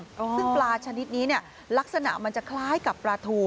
ซึ่งปลาชนิดนี้เนี่ยลักษณะมันจะคล้ายกับปลาทู